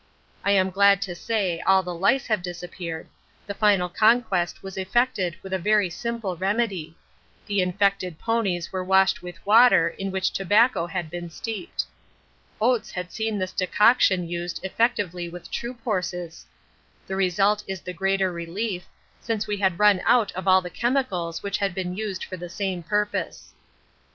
I am glad to say all the lice have disappeared; the final conquest was effected with a very simple remedy the infected ponies were washed with water in which tobacco had been steeped. Oates had seen this decoction used effectively with troop horses. The result is the greater relief, since we had run out of all the chemicals which had been used for the same purpose.